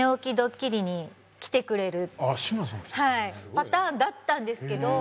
パターンだったんですけど。